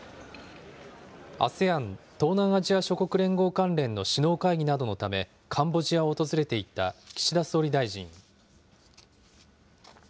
ＡＳＥＡＮ・東南アジア諸国連合関連の首脳会議などのため、カンボジアを訪れていた岸田総理大臣。